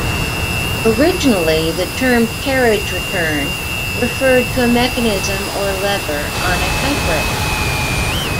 Originally, the term "carriage return" referred to a mechanism or lever on a typewriter.